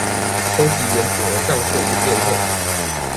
收集原子核放射之電荷